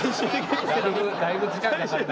だいぶ時間かかるな。